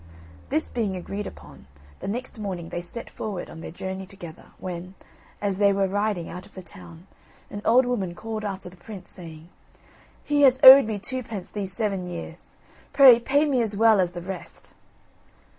This being agreed upon, the next morning they set forward on their journey together, when, as they were riding out of the town, an old woman called after the prince, saying, "He has owed me twopence these seven years; pray pay me as well as the rest."